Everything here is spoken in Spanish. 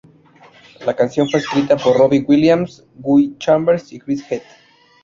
La canción fue escrita por Robbie Williams, Guy Chambers y Chris Heath.